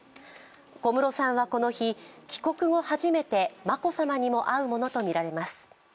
小室さんはこの日、帰国後初めて眞子さまにも会うものとみられます。